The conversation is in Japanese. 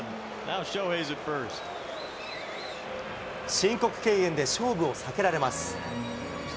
申告敬遠で勝負を避けられます。